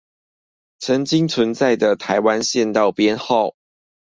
曾經存在的台灣縣道編號